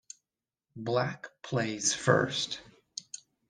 Black plays first.